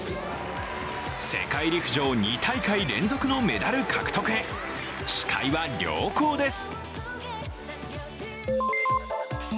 世界陸上２大会連続のメダル獲得へ視界は良好です。